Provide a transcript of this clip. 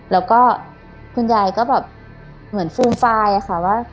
แล้วก็คุณยายก็แบบเหมือนฟูมฟายอะค่ะว่า